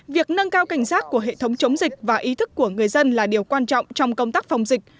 việc nâng cao cảnh giác của hệ thống chống dịch và ý thức của người dân là điều quan trọng trong công tác phòng dịch